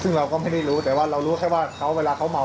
ซึ่งเราก็ไม่ได้รู้แต่ว่าเรารู้แค่ว่าเวลาเขาเมา